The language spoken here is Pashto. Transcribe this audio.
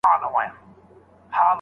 خلګ باید بد ګمانه نه سي.